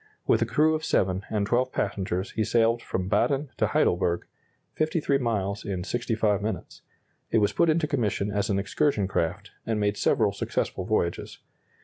With a crew of seven and twelve passengers he sailed from Baden to Heidelberg 53 miles in 65 minutes. It was put into commission as an excursion craft, and made several successful voyages.